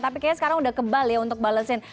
tapi kayaknya sekarang udah kebal ya untuk balesin